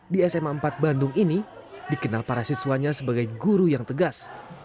di sma empat bandung ini dikenal para siswanya sebagai guru yang tegas